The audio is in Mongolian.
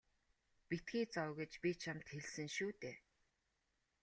Битгий зов гэж би чамд хэлсэн шүү дээ.